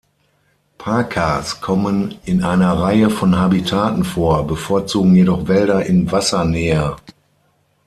Pakas kommen in einer Reihe von Habitaten vor, bevorzugen jedoch Wälder in Wassernähe.